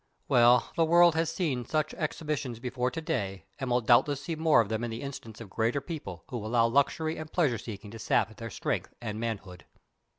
Well, the world has seen such exhibitions before to day, and will doubtless see more of them in the instance of greater peoples who allow luxury and pleasure seeking to sap their strength and manhood.